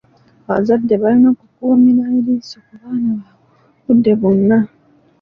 Abazadde balina okukuumira eriiso ku baana baabwe obudde bwonna.